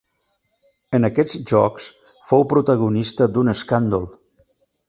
En aquests Jocs fou protagonista d'un escàndol.